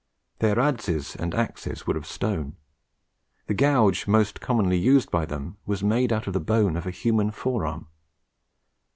Their adzes and axes were of stone. The gouge most commonly used by them was made out of the bone of the human forearm.